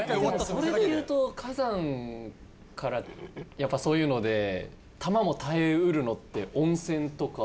それでいうと火山からやっぱそういうので球も耐え得るのって温泉とか。